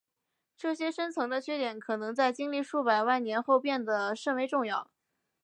这些深层的缺点可能在经历数百万年后变得甚为重要。